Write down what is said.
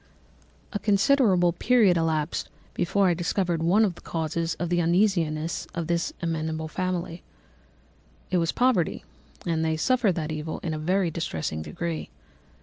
"A considerable period elapsed before I discovered one of the causes of the uneasiness of this amiable family: it was poverty, and they suffered that evil in a very distressing degree.